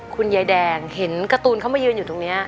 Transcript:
คุณยายแดงเห็นการ์ตูนเขามายืนอยู่ตรงนี้